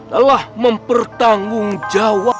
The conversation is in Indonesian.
telah mempertanggung jawab